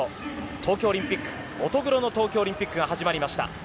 東京オリンピック乙黒の東京オリンピックが始まりました。